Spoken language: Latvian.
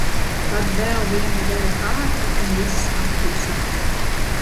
Tad vēl viena gara kārta un viss apklusa.